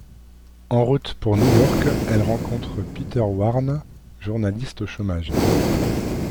En route pour New York, elle rencontre Peter Warne, journaliste au chômage.